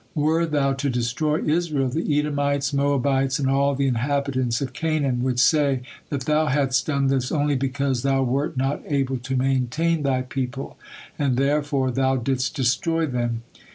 Were Thou to destroy Israel, the Edomites, Moabites, and all the inhabitants of Canaan would say that Thou hadst done this only because Thou wert not able to maintain Thy people, and therefore Thou didst destroy them.